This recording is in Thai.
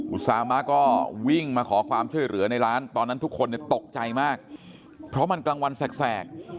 อุตสามะก็วิ่งมาขอความช่วยเหลือในร้านตอนนั้นทุกคนเนี่ยตกใจมากเพราะมันกลางวันแสก